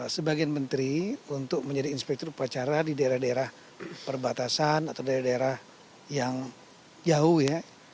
sebagian menteri untuk menjadi inspektur upacara di daerah daerah perbatasan atau daerah daerah yang jauh ya